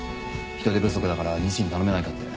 人手不足だから西に頼めないかって。